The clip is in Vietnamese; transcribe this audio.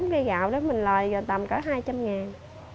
bốn ký gạo đó mình lời tầm cả hai trăm linh ngàn